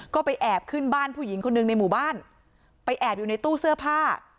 ก็ไปแอบขึ้นบ้านผู้หญิงคนหนึ่งในหมู่บ้านไปแอบอยู่ในตู้เสื้อผ้า